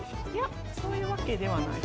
そういうわけではない。